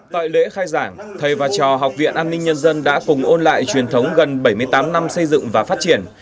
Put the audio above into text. tại lễ khai giảng thầy và trò học viện an ninh nhân dân đã cùng ôn lại truyền thống gần bảy mươi tám năm xây dựng và phát triển